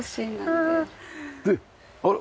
であら？